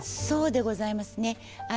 そうでございますね。